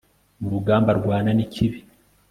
mu rugamba arwana nikibi